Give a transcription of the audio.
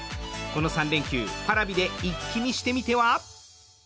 この３連休、Ｐａｒａｖｉで一気見してみては？